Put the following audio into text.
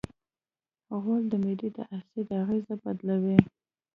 غول د معدې د اسید اغېز بدلوي.